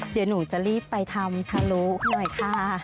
เดี๋ยวหนูจะรีบไปทำทะลุหน่อยค่ะ